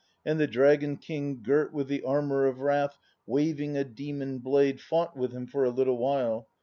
And the Dragon King Girt with the armour of wrath, Waving a demon blade, Fought with him for a little while.